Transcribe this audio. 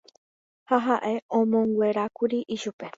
Ha ha'e omonguerákuri ichupe.